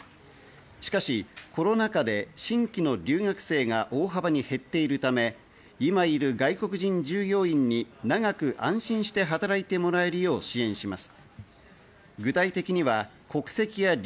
しかし、コロナ禍で新規の留学生が大幅に減っているため、今いる外国人従業員に長く安心して働いてもらえるよう支援します。